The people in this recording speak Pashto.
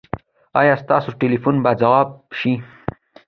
ایا ستاسو ټیلیفون به ځواب شي؟